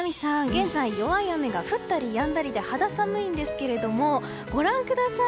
現在弱い雨が降ったりやんだりで肌寒いんですけどもご覧ください。